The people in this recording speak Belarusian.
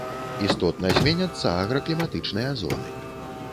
Істотна зменяцца агракліматычныя зоны.